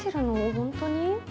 本当に？